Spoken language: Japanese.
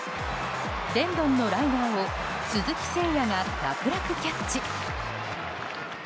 レンドンのライナーを鈴木誠也が楽々キャッチ。